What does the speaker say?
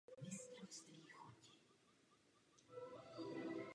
Má se tak stát po uzavření vzájemné mírové smlouvy.